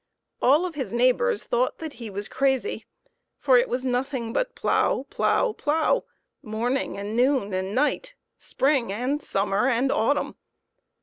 All of his neighbors thought that he was crazy, for it was nothing but plough, plough, plough, morning and noon and night, spring and summer and autumn.